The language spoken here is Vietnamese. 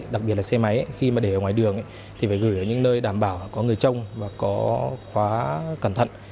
đặc biệt là xe máy khi mà để ở ngoài đường thì phải gửi ở những nơi đảm bảo có người trông và có khóa cẩn thận